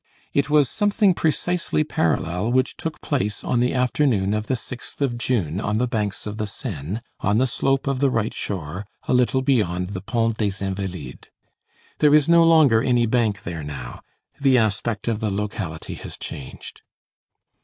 It was something precisely parallel which took place on the afternoon of the 6th of June on the banks of the Seine, on the slope of the right shore, a little beyond the Pont des Invalides. There is no longer any bank there now. The aspect of the locality has changed.